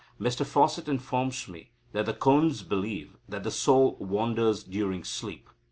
Mr Fawcett informs me that the Kondhs believe that the soul wanders during sleep.